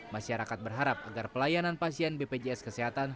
masyarakat berharap agar pelayanan pasien bpjs kesehatan